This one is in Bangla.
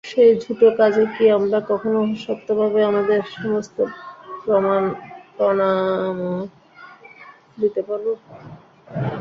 সেই ঝুঁটো কাজে কি আমরা কখনো সত্যভাবে আমাদের সমস্ত প্রাণমন দিতে পারব?